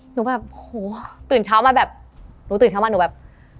หนูแบบโหตื่นเช้ามาแบบหนูตื่นเช้ามาหนูแบบ